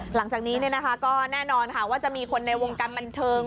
หลังจากนี้ก็แน่นอนค่ะว่าจะมีคนในวงการบันเทิง